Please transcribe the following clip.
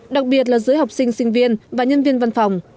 đặc biệt là giới học sinh sinh viên và nhân viên văn phòng